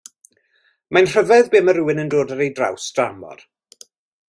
Mae'n rhyfedd be ma' rhywun yn dod ar ei draws dramor.